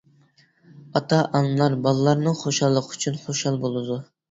ئاتا-ئانىلار بالىلارنىڭ خۇشاللىقى ئۈچۈن خۇشال بولىدۇ.